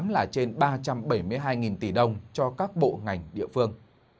là trên ba trăm bảy mươi hai tỷ đồng cho các bộ ngành địa phương